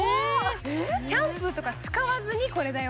シャンプーとか使わずにこれだよ。